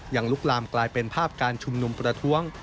ลุกลามกลายเป็นภาพการชุมนุมประท้วง